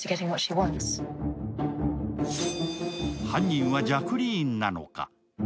犯人はジャクリーンなのか？